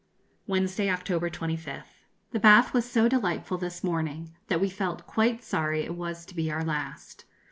Wednesday, October 25th. The bath was so delightful this morning, that we felt quite sorry it was to be our last.